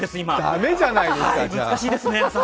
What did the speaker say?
駄目じゃないですか。